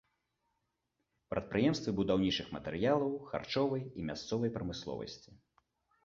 Прадпрыемствы будаўнічых матэрыялаў, харчовай і мясцовай прамысловасці.